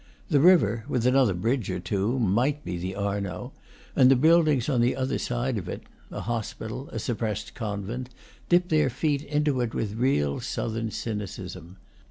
The river, with another bridge or two, might be the Arno, and the buildings on the other side of it a hospital, a suppressed convent dip their feet into it with real southern cynicism.